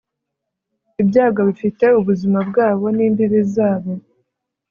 ibyago bifite ubuzima bwabo n'imbibi zabo